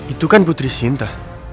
itu kan putri sinta